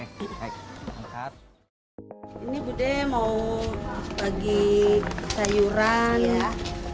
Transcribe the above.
ini bu de mau bagi sayuran ya